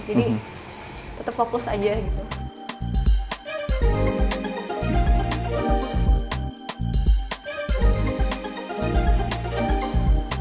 jadi tetap fokus aja gitu